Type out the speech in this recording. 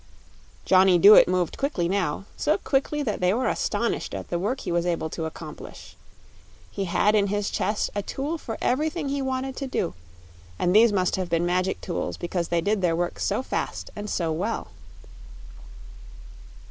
Johnny Dooit moved quickly now so quickly that they were astonished at the work he was able to accomplish. He had in his chest a tool for everything he wanted to do, and these must have been magic tools because they did their work so fast and so well.